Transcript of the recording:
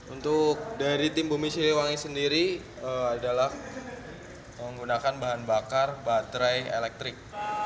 untuk dari tim bumi siliwangi sendiri adalah menggunakan bahan bakar baterai elektrik